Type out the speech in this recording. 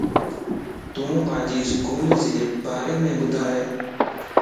تون پانجي اسڪولجي ڀاريم ٻڌائي